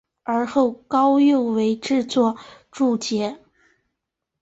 而后高诱为之作注解。